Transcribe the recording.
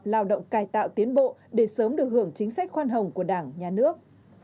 lao động cài tạo tiến bộ để sớm được hưởng chính sách khoan hồng của đảng nhà nước